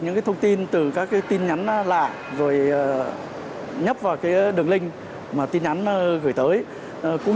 những cái thông tin từ các cái tin nhắn lạ rồi nhấp vào cái đường link mà tin nhắn gửi tới cũng